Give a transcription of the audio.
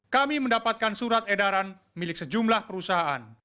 kami mendapatkan surat edaran milik sejumlah perusahaan